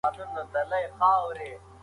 دا پروژه له اقتصاد سره مرسته کوي.